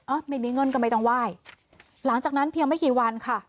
อ่ะไม่มีเงินก็ไม่ต้องไหว้หลังจากนั้นเพียงไม่กี่วันค่ะ